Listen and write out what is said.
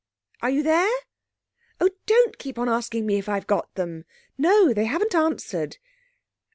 Are you there? Oh, don't keep on asking me if I've got them!... No, they haven't answered....